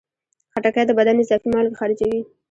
خټکی د بدن اضافي مالګې خارجوي.